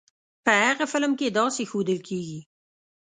په هغه فلم کې داسې ښودل کېږی.